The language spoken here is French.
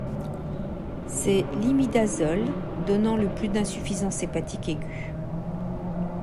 C'est l'imidazole donnant le plus d'insuffisance hépatique aiguë.